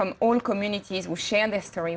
di komunitas yang berbagi cerita mereka